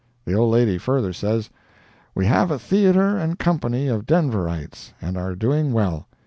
The old lady further says: "We have a theatre and company of Denverites, and are doing well.